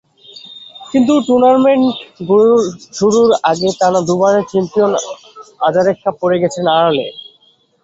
কিন্তু টুর্নামেন্ট শুরুর আগে টানা দুবারের চ্যাম্পিয়ন আজারেঙ্কা পড়ে গেছেন আড়ালে।